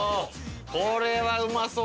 これはうまそうやぞ！